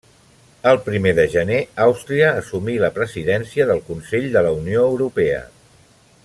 El primer de gener Àustria assumí la Presidència del Consell de la Unió Europea.